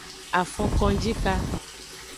Afokonjika.